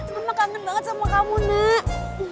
mama kangen banget sama kamu nak